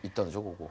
ここ。